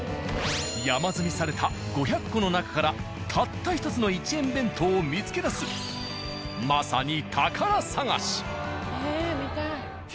山積みされた５００個の中からたった１つの１円弁当を見つけ出すまさにええ見たい。